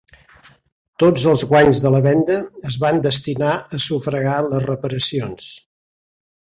Tots els guanys de la venda es van destinar a sufragar les reparacions.